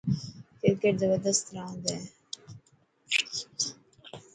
ڪرڪيٽ زبردست راند هي.